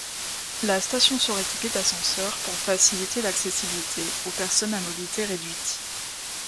La station sera équipée d'ascenseurs pour faciliter l'accessibilité aux personnes à mobilité réduite.